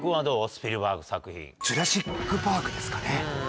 スピルバーグジュラシック・パークですかね。